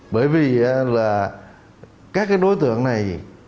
bởi vì là các cái đối tượng này